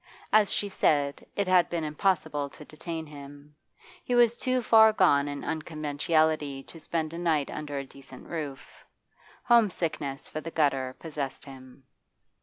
As she said, it had been impossible to detain him. He was too far gone in unconventionality to spend a night under a decent roof. Home sickness for the gutter possessed him.